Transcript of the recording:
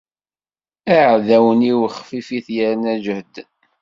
Iɛdawen-iw xfifit yerna ǧehden.